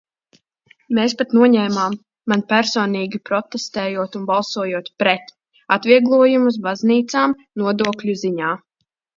"Mēs pat noņēmām, man personīgi protestējot un balsojot "pret", atvieglojumus baznīcām nodokļu ziņā."